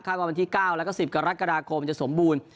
ว่าวันที่๙แล้วก็๑๐กรกฎาคมจะสมบูรณ์